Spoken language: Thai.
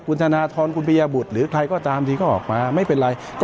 ภพกุณฑนทรคุณประยะบุทธ์หรือใครก็ตามที่ก็ออกมาไม่เป็นไร